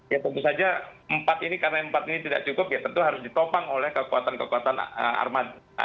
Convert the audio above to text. ya tentu saja empat ini karena empat ini tidak cukup ya tentu harus ditopang oleh kekuatan kekuatan armada